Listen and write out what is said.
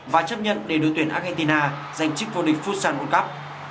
và chấp nhận để đội tuyển argentina giành trích vô địch futsal world cup